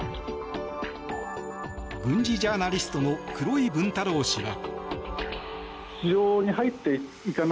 軍事ジャーナリストの黒井文太郎氏は。